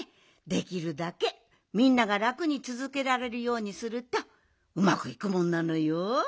できるだけみんながらくにつづけられるようにするとうまくいくもんなのよ。